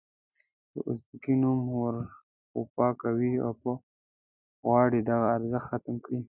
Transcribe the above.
د اربکي نوم ورغوپه کوي او غواړي دغه ارزښت ختم کړي.